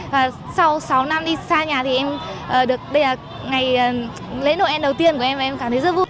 và sau sáu năm đi xa nhà thì em được ngày lễ noel đầu tiên của em và em cảm thấy rất vui